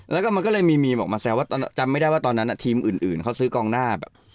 แล้วมันก็ลงมาแสวว่าจำไม่ได้ว่าตัวนั้นทีมอื่นเขาซื้อกล้องหน้า